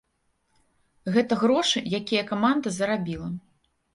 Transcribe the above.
Гэта грошы, якія каманда зарабіла.